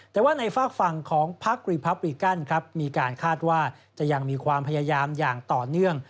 แต่ว่าในฝากฝั่งของพักรีพับริกันครับมีการคาดว่าจะยังมีความพยายามอย่างต่อเนื่อง